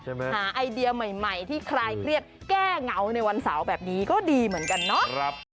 หาไอเดียใหม่ที่ใครเครียดแก้เหงาในวันเสาร์แบบนี้ก็ดีเหมือนกันเนาะ